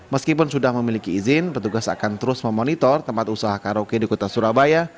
meskipun sudah memiliki izin petugas akan terus memonitor tempat usaha karaoke di kota surabaya